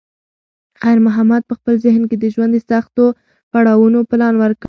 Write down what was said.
خیر محمد په خپل ذهن کې د ژوند د سختو پړاوونو پلان وکړ.